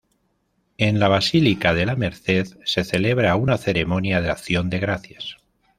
En la basílica de La Merced se celebra una ceremonia de acción de gracias.